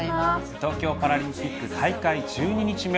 東京パラリンピック大会１２日目。